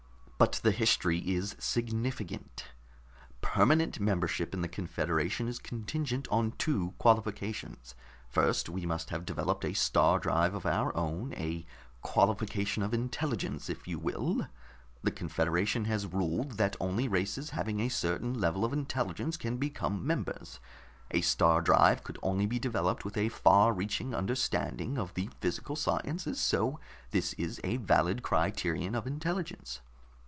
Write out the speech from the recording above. "But the history is significant. Permanent membership in the confederation is contingent on two qualifications. First, we must have developed a star drive of our own, a qualification of intelligence, if you will. The confederation has ruled that only races having a certain level of intelligence can become members. A star drive could only be developed with a far reaching understanding of the physical sciences, so this is a valid criterion of intelligence.